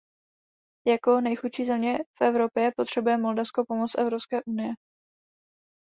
Jako nejchudší země v Evropě potřebuje Moldavsko pomoc Evropské unie.